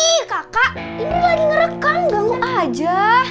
ih kakak ini lagi ngerekam ganggu aja